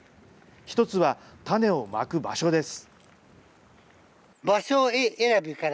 １つは種をまく場所です。